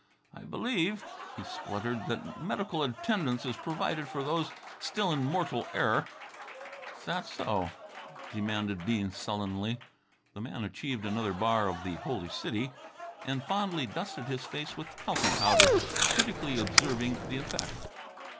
"I believe," he spluttered, "that medical attendance is provided for those still in mortal error." "'S'at so?" demanded Bean, sullenly. The man achieved another bar of "The Holy City," and fondly dusted his face with talcum powder, critically observing the effect.